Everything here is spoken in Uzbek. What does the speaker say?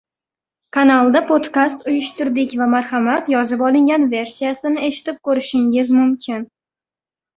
Kanalda podkast uyushtirdik va marhamat yozib olingan versiyasini eshitib koʻrishingiz mumkin.